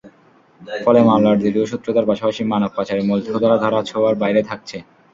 ফলে মামলার দীর্ঘসূত্রতার পাশাপাশি মানব পাচারের মূল হোতারা ধরা ছোঁয়ার বাইরে থাকছে।